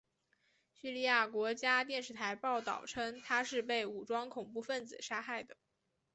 叙利亚国家电视台报道称他是被武装恐怖分子杀害的。